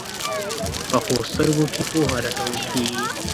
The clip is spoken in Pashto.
پخو سترګو کې پوهه لټول کېږي